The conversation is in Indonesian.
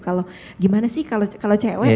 kalau gimana sih kalau cewek